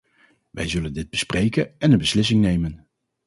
Wij zullen dit bespreken en een beslissing nemen.